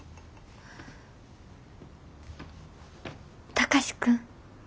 貴司君？